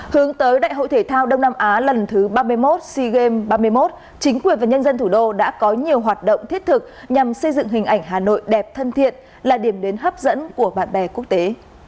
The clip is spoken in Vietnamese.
hướng tới đại hội thể thao đông nam á lần thứ ba mươi một sea games ba mươi một chính quyền và nhân dân thủ đô đã có nhiều hoạt động thiết thực nhằm xây dựng hình ảnh hà nội đẹp thân thiện là điểm đến hấp dẫn của bạn bè quốc tế